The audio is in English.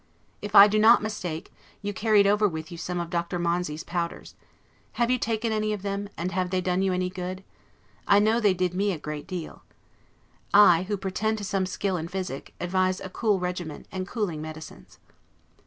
If I do not mistake, you carried over with you some of Dr. Monsey's powders. Have you taken any of them, and have they done you any good? I know they did me a great deal. I, who pretend to some skill in physic, advise a cool regimen, and cooling medicines.